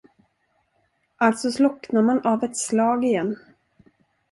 Alltså slocknar man av ett slag igen!